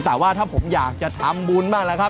แต่ว่าถ้าผมอยากจะทำบุญบ้างแล้วครับ